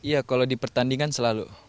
iya kalau di pertandingan selalu